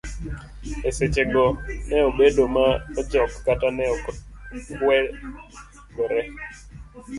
Eseche go ne obedo ma ojok kata ne okwedore.